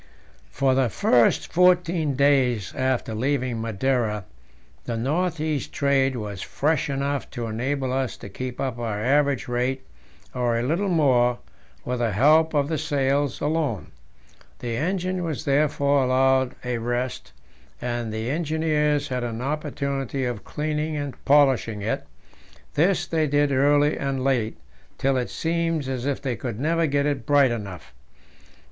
For the first fourteen days after leaving Madeira the north east trade was fresh enough to enable us to keep up our average rate, or a little more, with the help of the sails alone. The engine was therefore allowed a rest, and the engineers had an opportunity of cleaning and polishing it; this they did early and late, till it seemed as if they could never get it bright enough.